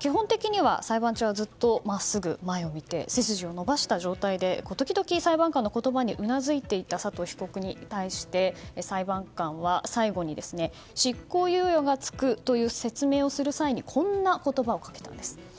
基本的にはずっとまっすぐ前を見て背筋を伸ばした状態で時々、裁判官の言葉にうなずいていた佐藤被告に対して裁判官は最後に執行猶予が付くという説明をする際こんな言葉をかけたんです。